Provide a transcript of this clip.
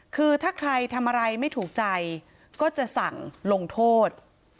คือถ้าใครทำอะไรไม่ถูกใจก็จะสั่งลงโทษ